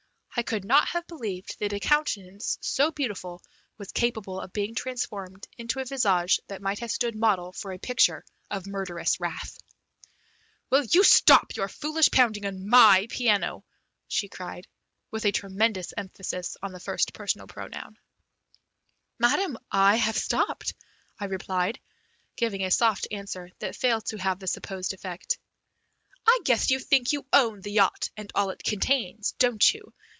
I could not have believed that a countenance so beautiful was capable of being transformed into a visage that might have stood model for a picture of murderous wrath. [Illustration: "Will you stop your foolish pounding on my piano?" Page 95 ] "Will you stop your foolish pounding on my piano?" she cried, with a tremendous emphasis on the first personal pronoun. "Madam, I have stopped," I replied, giving a soft answer that failed to have the supposed effect. "I guess you think you own the yacht and all it contains, don't you?